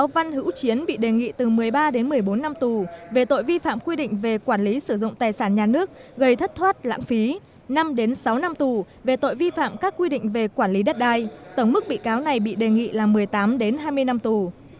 viện kiểm sát đề nghị bị cáo trần văn minh một mươi bảy một mươi tám năm tù vì tội vi phạm quy định về quản lý sử dụng tài sản nhà nước gây thất thoát lãng phí năm sáu năm tù về tội vi phạm các quy định về quản lý đất đai tổng mức đề nghị với bị cáo này là một mươi tám hai mươi năm tù